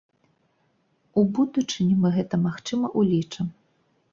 У будучыні мы гэта, магчыма, улічым.